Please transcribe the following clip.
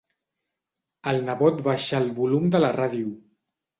El nebot baixa el volum de la ràdio.